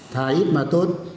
thà ít mà tốt